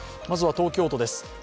まずは東京都です。